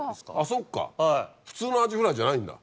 そっか普通のアジフライじゃないんだ。